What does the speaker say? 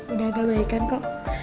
udah agak baik kan kok